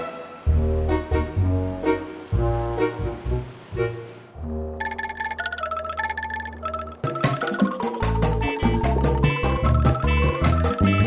padahal sekitar aku cav tane orang